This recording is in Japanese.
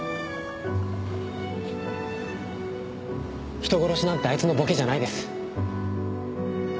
人殺しなんてあいつのボケじゃないです。